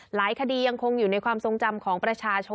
หลายคดียังคงอยู่ในความทรงจำของประชาชน